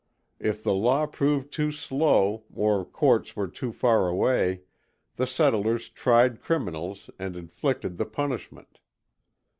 If the law proved too slow, or courts were too far away, the settlers tried criminals and inflicted the punishment.